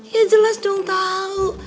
ya jelas dong tahu